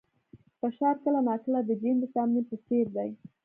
فشار کله ناکله د جیم د تمرین په څېر دی.